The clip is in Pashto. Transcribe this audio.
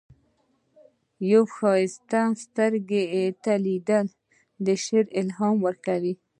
یوې ښایستې سترګې ته لیدل، د شعر الهام ورکوي.